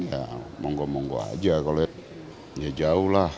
ya monggo monggo aja kalau ya jauh lah